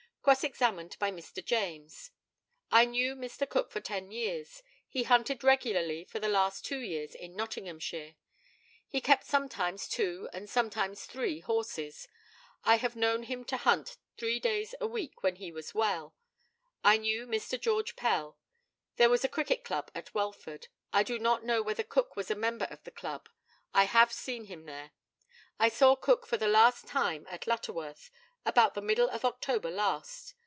Cross examined by Mr. JAMES: I knew Mr. Cook for ten years; he hunted regularly for the last two years in Nottinghamshire. He kept sometimes two and sometimes three horses. I have known him to hunt three days a week when he was well. I knew Mr. George Pell. There is a cricket club at Welford. I do not know whether Cook was a member of the club. I have seen him there. I saw Cook for the last time at Lutterworth, about the middle of October last.